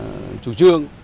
có một chủ trương